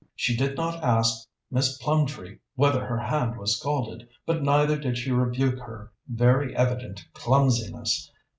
She did not ask Miss Plumtree whether her hand was scalded, but neither did she rebuke her very evident clumsiness.